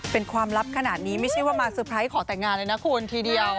เป็นความลับขนาดนี้ไม่ใช่ว่ามาเตอร์ไพรส์ขอแต่งงานเลยนะคุณทีเดียว